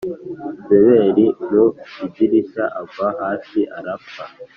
Yezebeli mu idirishya agwa hasi arapfa